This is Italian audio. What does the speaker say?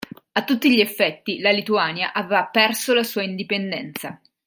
A tutti gli effetti, la Lituania aveva perso la sua indipendenza.